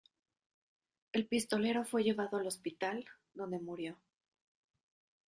El pistolero fue llevado al hospital, donde murió.